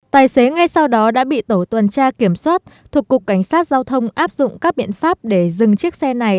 tài xế ngay sau đó đã bị tổ tuần tra kiểm soát thuộc cục cảnh sát giao thông áp dụng các biện pháp để dừng chiếc xe này